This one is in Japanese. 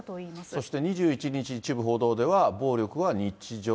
そして２１日、一部報道では、暴力は日常